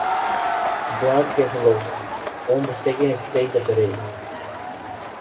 Brad Keselowski won the second stage of the race.